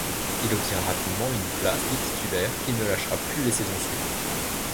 Il obtient rapidement une place de titulaire qu'il ne lâchera plus les saisons suivantes.